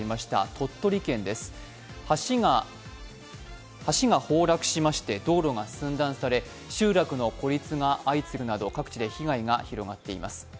鳥取県です、橋が崩落しまして道路が寸断され集落の孤立が相次ぐなど各地で被害が広がっています。